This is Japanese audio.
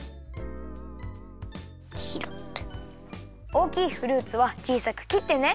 おおきいフルーツはちいさくきってね。